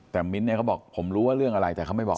แต่มิ้นท์เนี่ยเขาบอกผมรู้ว่าเรื่องอะไรแต่เขาไม่บอก